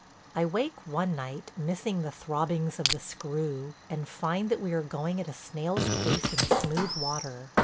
I wake one night missing the throbbings of the screw, and find that we are going at a snail's pace in smooth water.